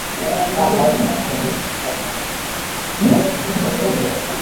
আমি অন্য জাতির লোকেদের নিয়ে মজা করি না, বুঝালেন?